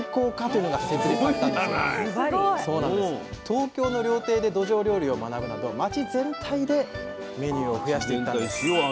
東京の料亭でどじょう料理を学ぶなど町全体でメニューを増やしていったんです。